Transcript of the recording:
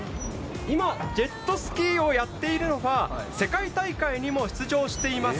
今、ジェットスキーをやっているのが、世界大会にも出場しています